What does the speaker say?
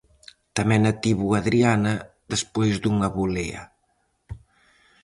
Tamén a tivo Adriana despois dunha volea.